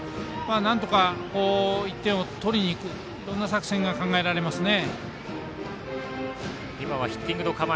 なんとか、１点を取りにいくいろんな作戦が考えられますね。